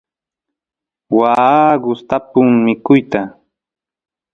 waa gustapun mikuyta